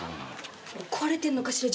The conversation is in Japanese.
壊れてんのかしら？